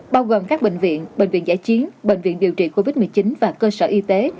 bao gồm các bệnh viện bệnh viện giải chiến bệnh viện điều trị covid một mươi chín và cơ sở y tế